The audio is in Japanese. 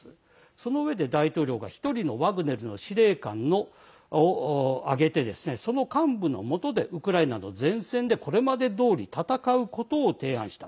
そのうえで大統領が１人のワグネルの司令官を挙げてその幹部のもとでウクライナの前線でこれまでどおり戦うことを提案した。